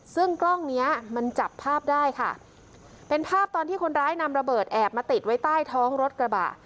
ซึ่งกล้องเนี้ยมันจับภาพได้ค่ะเป็นภาพตอนที่คนร้ายนำระเบิดแอบมาติดไว้ใต้ท้องรถกระบะ